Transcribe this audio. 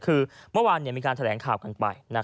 คือเมื่อวานมีการแถลงข่าวกันไป